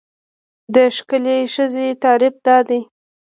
د ښکلې ښځې تعریف دا دی.